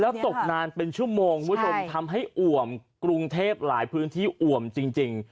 แล้วตกนานเป็นชั่วโมงคุณผู้ชมใช่ทำให้อว่ำกรุงเทพหลายพื้นที่อว่ำจริงจริง